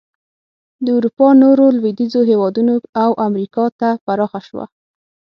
د اروپا نورو لوېدیځو هېوادونو او امریکا ته پراخه شوه.